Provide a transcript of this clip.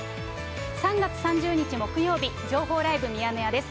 ３月３０日木曜日、情報ライブミヤネ屋です。